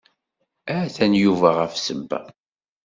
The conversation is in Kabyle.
Atan Yuba ɣef ssebba.